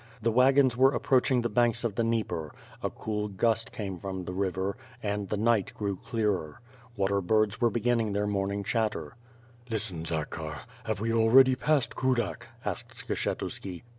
The wagons were approaching the banks of the Dnieper; a cool gust came from the river, and the night grew clearer. Water birds were beginning their morning chatter. "Listen Zakhar, have we already passed Kudak?" asked Skshetuski.